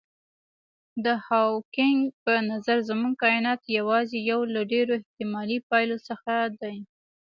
د هاوکېنګ په نظر زموږ کاینات یوازې یو له ډېرو احتمالي پایلو څخه دی.